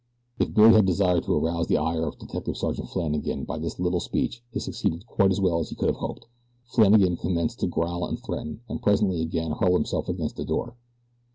If Billy had desired to arouse the ire of Detective Sergeant Flannagan by this little speech he succeeded quite as well as he could have hoped. Flannagan commenced to growl and threaten, and presently again hurled himself against the door.